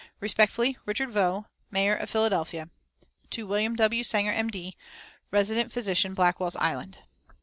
"Respectfully, "RICHARD VAUX, Mayor of Philadelphia. "To WM. W. SANGER, M.D., Resident Physician, Blackwell's Island."